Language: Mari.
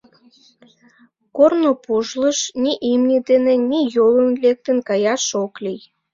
Корно пужлыш, ни имне дене, ни йолын лектын каяш ок лий.